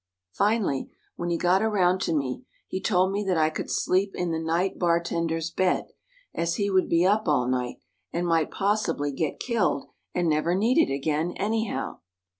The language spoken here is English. Finally, when he got around to me, he told me that I could sleep in the night bar tender's bed, as he would be up all night, and might possibly get killed and never need it again, anyhow.